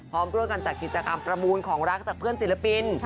พร้อมร่วมกันจัดกิจกรรมประมูลของรักจากเพื่อนศิลปิน